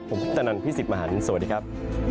ผมตนั่นพี่สิทธิ์มหาลสวัสดีครับ